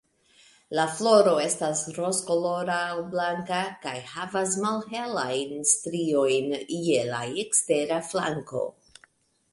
La floro estas rozkolora aŭ blanka kaj havas malhelajn striojn je la ekstera flanko.